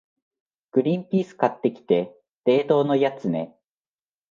グリンピース買ってきて、冷凍のやつね。